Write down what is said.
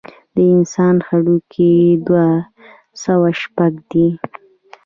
د انسان هډوکي دوه سوه شپږ دي.